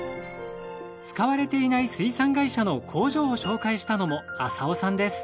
使われていない水産会社の工場を紹介したのも浅尾さんです。